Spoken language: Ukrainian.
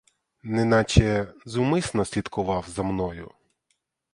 Неначе зумисне слідкував за мною?